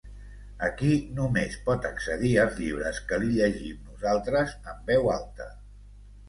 Aquí només pot accedir als llibres que li llegim nosaltres en veu alta.